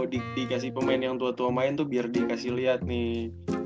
dikasih pemain yang tua tua main tuh biar dikasih lihat nih